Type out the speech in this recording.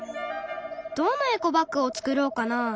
どんなエコバッグを作ろうかな。